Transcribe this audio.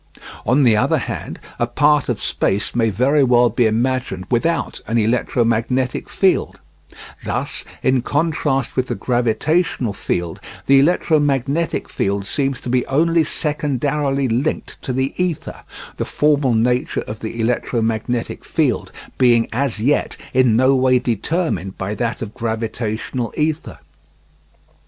On the other hand a part of space may very well be imagined without an electromagnetic field; thus in contrast with the gravitational field, the electromagnetic field seems to be only secondarily linked to the ether, the formal nature of the electromagnetic field being as yet in no way determined by that of gravitational ether.